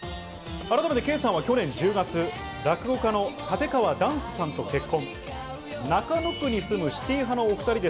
改めてケイさんは去年１０月、落語家の立川談洲さんと結婚。